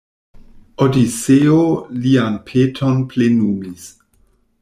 Odiseo lian peton plenumis.